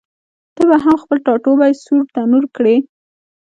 ته به هم خپل ټاټوبی سور تنور کړې؟